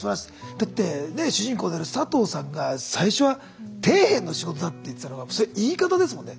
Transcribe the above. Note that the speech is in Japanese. だってね主人公である佐藤さんが最初は底辺の仕事だって言ってたのが言い方ですもんね